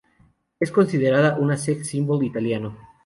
Es considerada un "sex symbol" italiano.